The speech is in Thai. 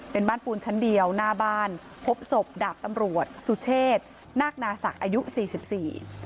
เป็นบ้านปูนชั้นเดียวหน้าบ้านพบศพดาบตำรวจสุเชษนาคนาศักดิ์อายุสี่สิบสี่